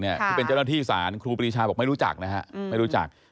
ที่เป็นเจ้าหน้าที่ศาลครูปรีชาบอกไม่รู้จักนะฮะไม่รู้จัก